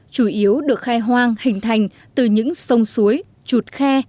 chủ yếu được khai hoang hình thành từ những sông suối chuột khe